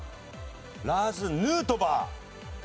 ラーズ・ヌートバー。